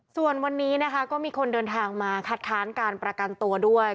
ส่วนวันนี้นะคะก็มีคนเดินทางมาคัดค้านการประกันตัวด้วย